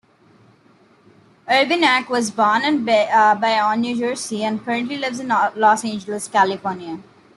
Urbaniak was born in Bayonne, New Jersey and currently lives in Los Angeles, California.